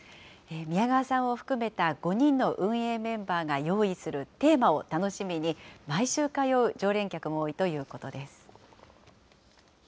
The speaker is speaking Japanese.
宮川さんを含めた５人の運営メンバーが用意するテーマを楽しみに、毎週通う常連客も多いということです。